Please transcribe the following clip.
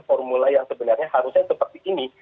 formula yang sebenarnya harusnya seperti ini